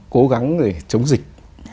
cố gắng để chống dịch